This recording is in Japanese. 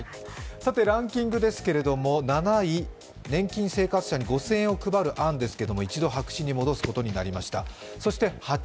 ランキングですけれども、７位、年金生活者に５０００円配る案が一度白紙に戻すことになりました。